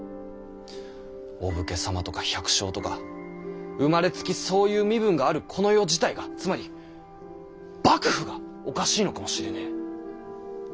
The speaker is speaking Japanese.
お武家様とか百姓とか生まれつきそういう身分があるこの世自体がつまり幕府がおかしいのかもしれねぇ。